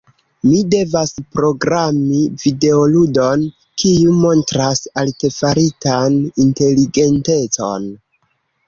Mi devas programi videoludon, kiu montras artefaritan inteligentecon.